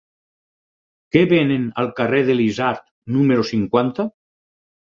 Què venen al carrer de l'Isard número cinquanta?